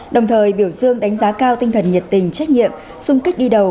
đồng thời biểu dương đánh giá cao tinh thần nhiệt tình trách nhiệm xung kích đi đầu